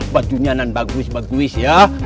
badunya nan bagus bagus ya